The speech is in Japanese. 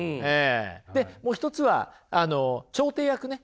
でもう一つは調停役ね。